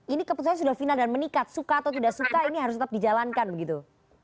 ini keputusan sudah final dan meningkat suka atau tidak suka ini harus tetap dijalankan begitu